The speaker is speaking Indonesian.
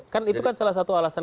kan itu kan salah satu alasan